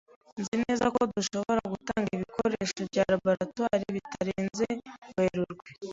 Nzi neza ko dushobora gutanga ibikoresho bya laboratoire bitarenze Werurwe.